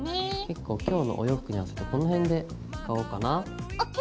結構今日のお洋服に合わせてこの辺で使おうかな。ＯＫ！